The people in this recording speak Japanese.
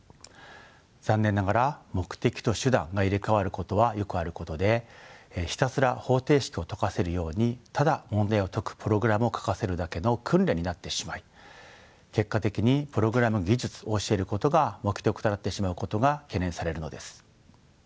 残念ながら目的と手段が入れ代わることはよくあることでひたすら方程式を解かせるようにただ問題を解くプログラムを書かせるだけの訓練になってしまい結果的にプログラム技術を教えることが目的となってしまうことが懸念されるのです。